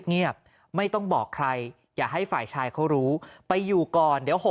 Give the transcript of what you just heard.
เงียบไม่ต้องบอกใครอย่าให้ฝ่ายชายเขารู้ไปอยู่ก่อนเดี๋ยว